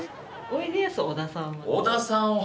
おいでやす小田さんは。